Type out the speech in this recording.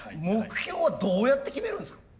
目標はどうやって決めるんですか？